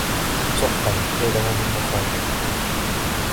سحقا، يا له من مخادع